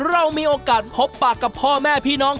เรามีโอกาสพบปากกับพ่อแม่พี่น้อง